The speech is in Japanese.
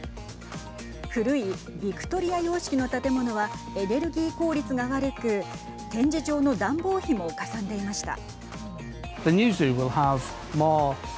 古いビクトリア様式の建物はエネルギー効率が悪く展示場の暖房費もかさんでいました。